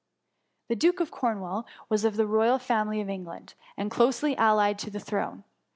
The Duke of Cornwall was of the royal family of England, and closely allied to the throne.